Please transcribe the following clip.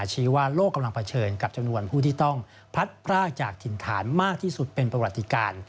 ชี้ว่าโลกกำลังเผชิญกับจำนวนผู้ที่ต้องพัดพรากจากถิ่นฐานมากที่สุดเป็นประวัติการ